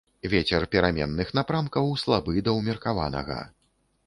Вецер пераменных напрамкаў, слабы да ўмеркаванага.